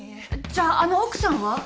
じゃああの奥さんは？